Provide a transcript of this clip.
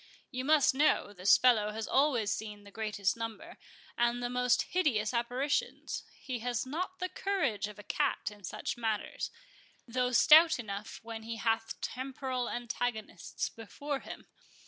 You must know, this fellow has always seen the greatest number, and the most hideous apparitions; he has not the courage of a cat in such matters, though stout enough when he hath temporal antagonists before him.